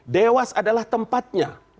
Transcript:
dewas adalah tempatnya